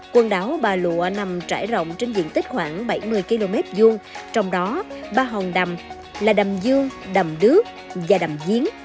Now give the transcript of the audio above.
quần đảo ba lụa nằm trải rộng trên diện tích khoảng bảy mươi km dung trong đó ba hòn đầm là đầm dương đầm đứa và đầm diến